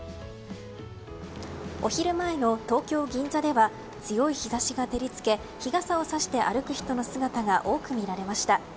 お昼前の東京・銀座では強い日差しが照り付け日傘をさして歩く人の姿が多く見られました。